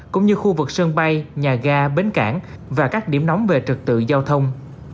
cũng như khu vực sân bay nhà ga bến cảng và các điểm nóng về trực tự giao thông